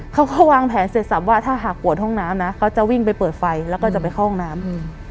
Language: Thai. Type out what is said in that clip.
เขาก็วางแผนเสร็จสับว่าถ้าหากปวดห้องน้ำนะเขาจะวิ่งไปเปิดไฟแล้วก็จะไปเข้าห้องน้ำ